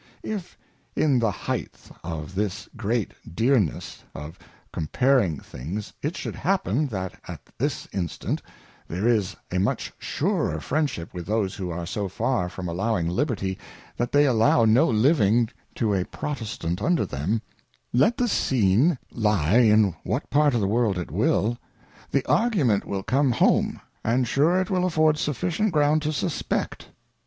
If in the heighth of this great dearness by comparing things, it should happen, that at this instant, there is much a surer Friendship with those who are so far from allowing Liberty, that A Letter to a Dissenter. 133 that they allow no Living to a Protestant under them, letjhe Scene lie in what part oJE the World it will, the Argument will come home, and sure it will afford sufficient ground to suspect.